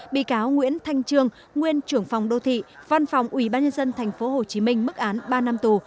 bị cáo nguyễn thanh trương nguyên trưởng phòng đô thị văn phòng ubnd tp hcm mức án ba năm tù